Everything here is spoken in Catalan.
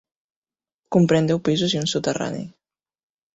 Comprèn deu pisos i un soterrani.